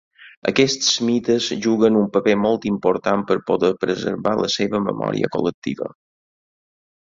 Aquests mites juguen un paper molt important per poder preservar la seva memòria col·lectiva.